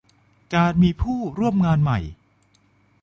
การมีผู้ร่วมงานใหม่